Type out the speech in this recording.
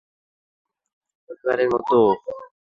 হেমন্ত আর আমিও আপনার পরিবারের মতো।